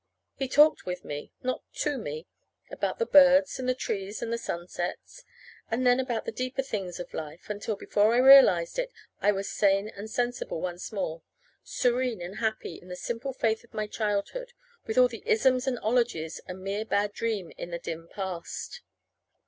He talked with me not to me about the birds and the trees and the sunsets, and then about the deeper things of life, until, before I realized it, I was sane and sensible once more, serene and happy in the simple faith of my childhood, with all the isms and ologies a mere bad dream in the dim past.